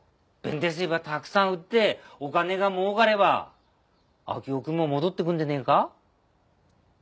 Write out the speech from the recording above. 弁天水ばたくさん売ってお金がもうかれば昭雄君も戻ってくんでねえか？